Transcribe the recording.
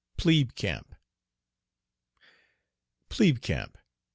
PLEBE CAMP. "PLEBE CAMP!"